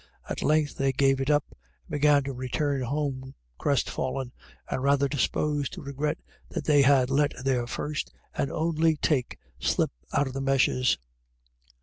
At length they gave it up, and began to return home, crestfallen, and rather disposed to regret that they had let their first and only take slip out of the meshes.